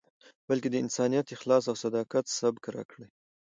بلکې د انسانیت، اخلاص او صداقت، سبق راکړی.